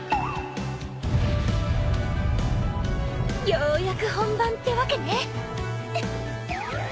ようやく本番ってわけね。